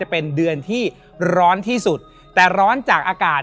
และยินดีต้อนรับทุกท่านเข้าสู่เดือนพฤษภาคมครับ